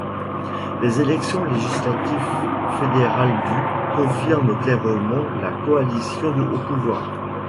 Les élections législatives fédérales du confirment clairement la coalition au pouvoir.